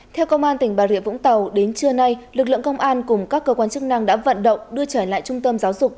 theo công an tỉnh bà rịa vũng tàu đến trưa nay lực lượng công an cùng các cơ quan chức năng đã vận động đưa trở lại trung tâm giáo dục